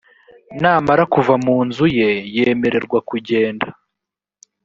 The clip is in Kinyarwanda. namara kuva mu nzu ye yemererwa kugenda